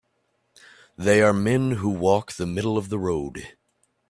They are men who walk the middle of the road.